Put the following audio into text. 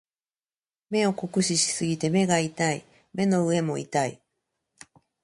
目を酷使しすぎて目が痛い。目の上も痛い。